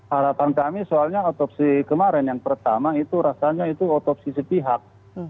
harapan kami soalnya otopsi kemarin yang pertama itu rasanya itu otopsi sepihak